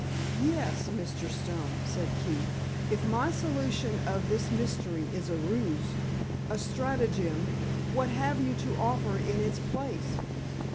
"Yes, Mr. Stone," said Keefe, "if my solution of this mystery is a ruse—a stratagem—what have you to offer in its place?